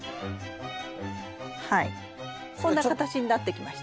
はいこんな形になってきました。